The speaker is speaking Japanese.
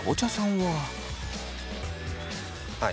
はい。